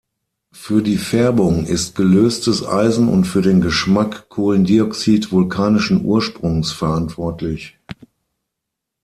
Für die Färbung ist gelöstes Eisen und für den Geschmack Kohlendioxid vulkanischen Ursprungs verantwortlich.